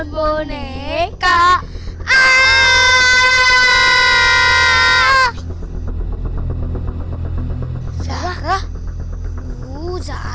bella ini sama those